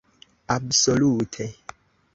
absolute